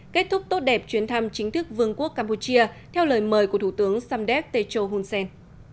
kết thúc tốt đẹp chuyến thăm chính thức vương quốc campuchia theo lời mời của thủ tướng samdeb techo hunsen